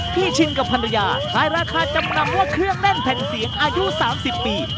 พี่ชินกับพันธุ์ยาคลายราคาจำนำว่าเครื่องแน่นแผ่นเสียงอายุ๓๐ปี